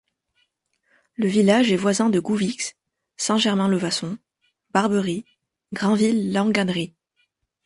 Le village est voisin de Gouvix, Saint-Germain-le-Vasson, Barbery, Grainville-Langannerie.